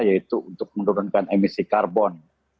yaitu untuk menurunkan emisi karbon